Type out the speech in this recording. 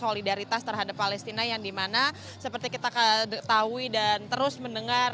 solidaritas terhadap palestina yang dimana seperti kita ketahui dan terus mendengar